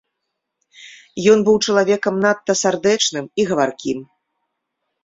Ён быў чалавекам надта сардэчным і гаваркім.